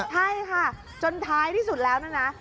ใช่ค่ะจนท้ายที่สุดแล้วนะ